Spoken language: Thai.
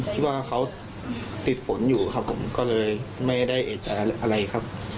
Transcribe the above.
คิดว่าเขาติดฝนอยู่ครับผมก็เลยไม่ได้เอกใจอะไรครับ